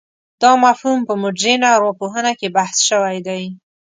دا مفهوم په مډرنه ارواپوهنه کې بحث شوی دی.